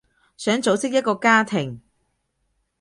想組織一個家庭